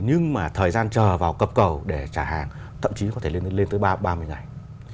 nhưng mà thời gian chờ vào cập cầu để trả hàng thậm chí có thể lên tới ba mươi ngày